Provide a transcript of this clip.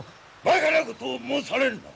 バカなことを申されるな！